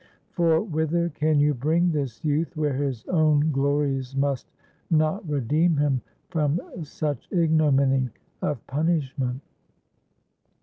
For whither can you bring this youth, where his own glories must not redeem him from such ignominy of punish ment?"